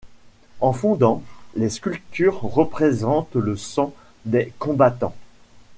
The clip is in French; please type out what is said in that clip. En fondant, les sculptures représentent le sang des combattants.